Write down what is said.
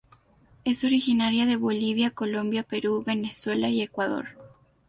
Es originaria de Bolivia, Colombia, Perú, Venezuela y Ecuador.